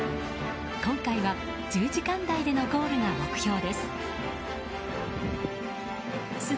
今回は１０時間台でのゴールが目標です。